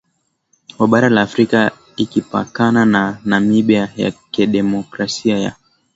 wa bara la Afrika ikipakana na Namibia ya Kidemokrasia ya